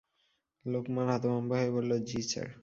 লোকমান হতভম্ব হয়ে বলল, জ্বি স্যার!